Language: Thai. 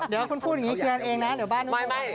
เดี๋ยวคุณพูดอย่างนี้เคลียร์กันเองนะเดี๋ยวบ้านนู้น